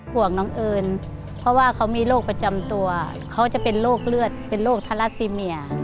ห่วงน้องเอิญเพราะว่าเขามีโรคประจำตัวเขาจะเป็นโรคเลือดเป็นโรคทาราซิเมีย